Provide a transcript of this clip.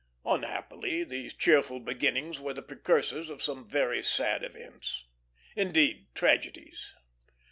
Unhappily, these cheerful beginnings were the precursors of some very sad events; indeed, tragedies.